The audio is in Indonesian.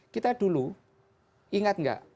kita dulu ingat nggak